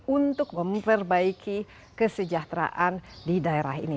untuk memperbaiki kesejahteraan di daerah ini